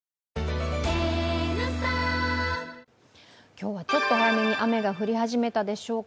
今日はちょっと早めに雨が降り始めたでしょうか。